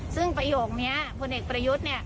ซึ่งประโยคนี้ผู้เอกประยุทธ์